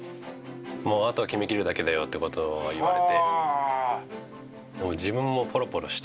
もうあとは決めきるだけだよって事を言われて。